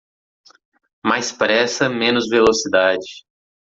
Mais pressa menos velocidade